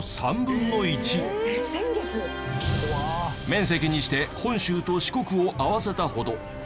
面積にして本州と四国を合わせたほど。